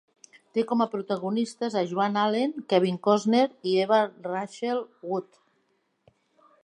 Te com a protagonistes a Joan Allen, Kevin Costner i Evan Rachel Wood.